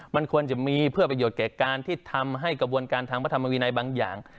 มันควรจะมีเพื่อประโยชน์แก่การที่ทำให้กระบวนการทางพระธรรมวินัยบางอย่าง